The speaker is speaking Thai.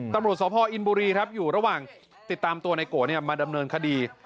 ตำรวจสพออินบุรีครับอยู่ระหว่างติดตามตัวในโกมาดำเนินคดี